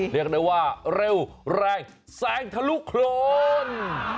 เรียกได้ว่าเร็วแรงแสงทะลุโครน